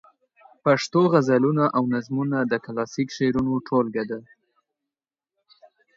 پښتو غزلونه او نظمونه د کلاسیک شعرونو ټولګه ده.